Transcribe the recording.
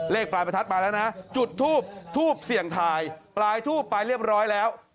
เลขปลายประทัดมาแล้วนะจุดทูบทูบเสี่ยงทายปลายทูบไปเรียบร้อยแล้ว